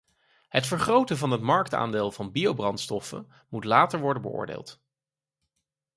Het vergroten van het marktaandeel van biobrandstoffen moet later worden beoordeeld.